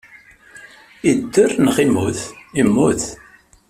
Idder neɣ immut? Immut.